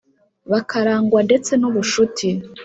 Bakarangwa ndetse n’ubucuti